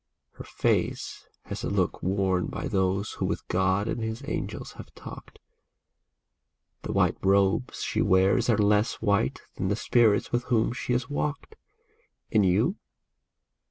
Her face has the look worn by those who with God and his angels have talked ; The white robes she wears are less white than the spirits with whom she has walked. And you